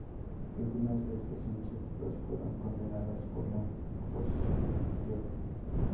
Algunas de estas iniciativas fueron condenadas por la oposición etíope.